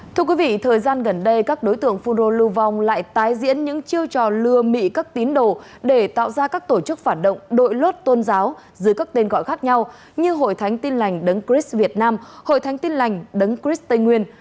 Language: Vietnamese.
thưa quý vị thời gian gần đây các đối tượng phun rô lưu vong lại tái diễn những chiêu trò lừa mị các tín đồ để tạo ra các tổ chức phản động đội lốt tôn giáo dưới các tên gọi khác nhau như hội thánh tin lành đấng christ việt nam hội thánh tin lành đấng christ tây nguyên